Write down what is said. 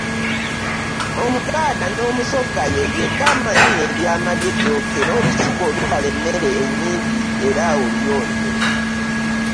Omuganda n'Omusoga ye yekka amanyi ebyama by'ettooke n'olusuku olubala emmere ennyingi era oluyonjo.